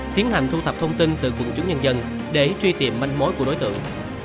tiến hành thu thập thông tin từ quận chúng nhân dân để truy tìm manh mối của đối tượng